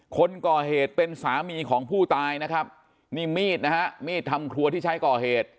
คนก่อเหตุเป็นสามีของผู้ตายนะครับนี่มีดนะฮะมีดทำครัวที่ใช้ก่อเหตุ